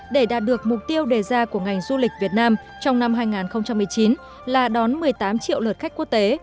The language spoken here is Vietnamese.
để đạt được mục tiêu đề ra của ngành du lịch việt nam trong năm hai nghìn một mươi chín là đón một mươi tám triệu lượt khách quốc tế